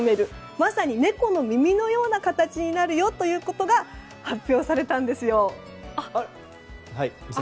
まさに猫の耳のような形になるよということが発表されたんですよ。